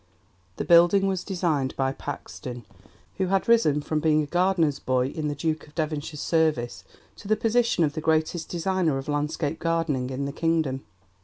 The building was designed by Paxton, who had risen from being a gardener's boy in the Duke of Devonshire's service to the position of the greatest designer of landscape gardening in the kingdom.